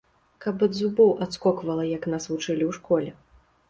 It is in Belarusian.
Каб ад зубоў адскоквала, як нас вучылі ў школе.